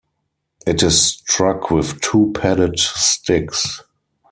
It is struck with two padded sticks.